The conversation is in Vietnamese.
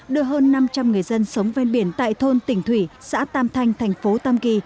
đưa hơn năm trăm linh người dân sống ven biển tại thôn tỉnh thủy xã tam thanh thành phố tam kỳ